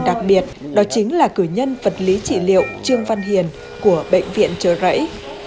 đặc biệt đó chính là cử nhân vật lý trị liệu trương văn hiền của bệnh viện trợ rẫy